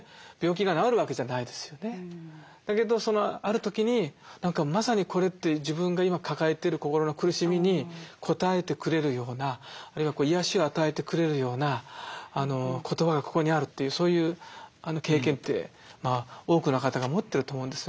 だけどある時にまさにこれって自分が今抱えてる心の苦しみにこたえてくれるようなあるいは癒やしを与えてくれるような言葉がここにあるというそういう経験って多くの方が持ってると思うんですね。